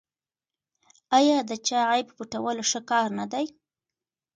آیا د چا عیب پټول ښه کار نه دی؟